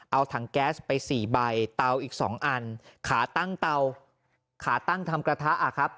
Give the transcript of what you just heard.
เอาถังแก๊สไป๔ใบเตาอีก๒อันขาตั้งเตาขาตั้งทำกระทะครับ